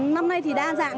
năm nay thì đa dạng